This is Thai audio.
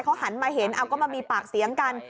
เขาหันมาเห็นเอาก็มามีปากเสียงกัน